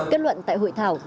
kết luận tại hội thảo